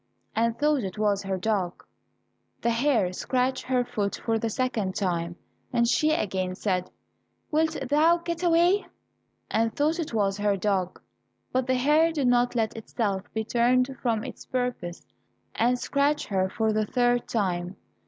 and thought it was her dog. The hare scratched her foot for the second time, and she again said, "Wilt thou get away?" and thought it was her dog. But the hare did not let itself be turned from its purpose, and scratched her for the third time.